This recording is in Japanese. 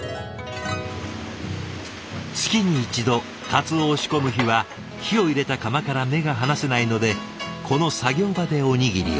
月に１度鰹を仕込む日は火を入れた釜から目が離せないのでこの作業場でおにぎりを。